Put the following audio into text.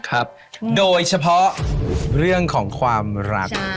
ครับโดยเฉพาะเรื่องของความรัก